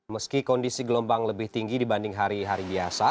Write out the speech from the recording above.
meski kondisi gelombang lebih tinggi dibanding hari hari biasa